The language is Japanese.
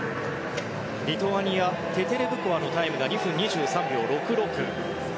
リトアニアテテレブコワのタイムが２分２３秒６６。